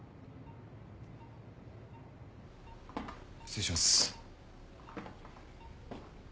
失礼します。